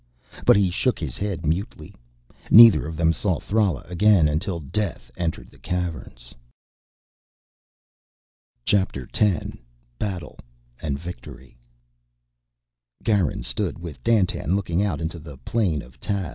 But he shook his head mutely. Neither of them saw Thrala again until Death entered the Caverns. CHAPTER TEN Battle and Victory Garin stood with Dandtan looking out into the plain of Tav.